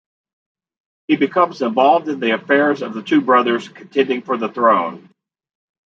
He becomes involved in the affairs of the two brothers contending for the throne.